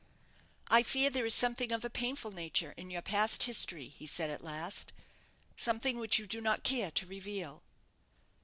"I fear there is something of a painful nature in your past history," he said, at last; "something which you do not care to reveal."